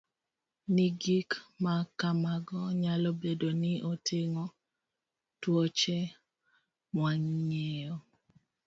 ni gik ma kamago nyalo bedo ni oting'o tuoche mwang'eyo